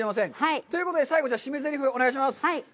ということで、最後、締めのせりふ、お願いします。